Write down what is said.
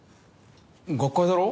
学会だろ？